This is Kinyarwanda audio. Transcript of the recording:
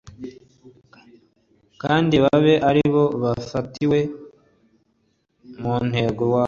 kandi babe ari bo bafatirwa mu mutego wabo